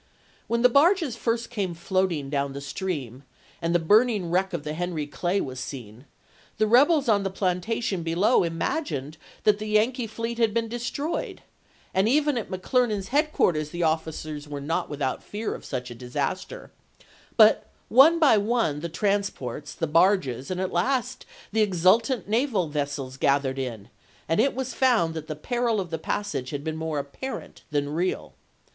When the barges first came floating down the stream, and the burn ing wreck of the Henry Clay was seen, the rebels on the plantations below imagined that the Yankee fleet had been destroyed; and even at McClernand's headquarters the officers were not without fear of such a disaster ; but one by one the transports, the barges, and at last the exultant naval vessels gathered in, and it was found that the peril of the passage had been more apparent than real.